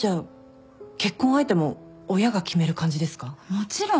もちろん。